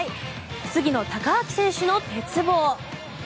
杉野正尭選手の鉄棒。